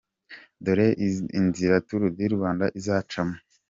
Dore inzira Tour Du Rwanda izacamo:.